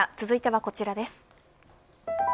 続いてはこちらです。